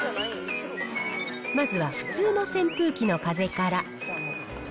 まずは普通の扇風機の風から。